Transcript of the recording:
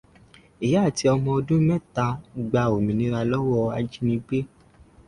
Ìyá àti ọmọ ọdún mẹ́ta gba òmìnira lọ́wọ́ ajínigbé.